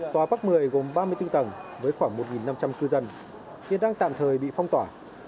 tòa bắc một mươi gồm ba mươi bốn tầng với khoảng một năm trăm linh cư dân hiện đang tạm thời bị phong tỏa